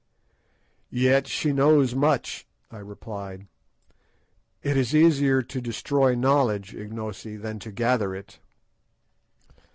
"Yet she knows much," I replied; "it is easier to destroy knowledge, Ignosi, than to gather it."